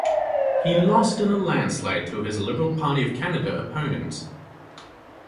He lost in a landslide to his Liberal Party of Canada opponent.